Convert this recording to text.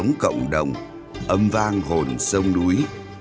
sống cộng đồng âm vang hồn sông núi